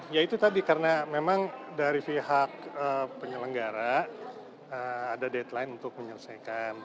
ya itu tadi karena memang dari pihak penyelenggara ada deadline untuk menyelesaikan